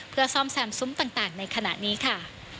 เพื่อซ่อมแซมซุ้มต่างในขณะนี้ค่ะ